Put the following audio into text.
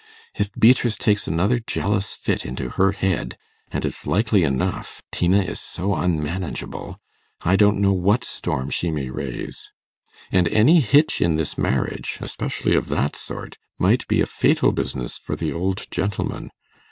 If Beatrice takes another jealous fit into her head and it's likely enough, Tina is so unmanageable I don't know what storm she may raise. And any hitch in this marriage, especially of that sort, might be a fatal business for the old gentleman.